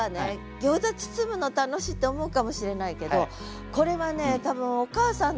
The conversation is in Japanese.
餃子包むの楽しいって思うかもしれないけどこれはね多分お母さんの視点。